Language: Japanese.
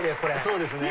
そうですね。